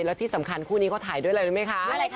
แล้วที่สำคัญคู่นี้เขาถ่ายด้วยอะไรรู้ไหมคะ